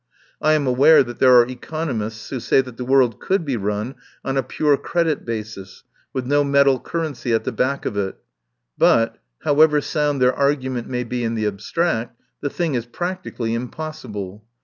I am aware that there are economists who say that the world could be run on a pure credit basis, with no metal currency at the back of it; but, however sound their argument may be in the abstract, the thing is practically impossible.